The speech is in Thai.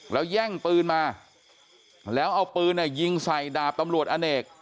แล้วแย่งปืนมาแล้วเอาปืนยิงใส่ดาบตำรวจอเนก